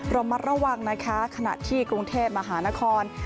ระมัดระวังนะคะขณะที่กรุงเทพมหานคร